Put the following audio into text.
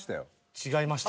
違いました？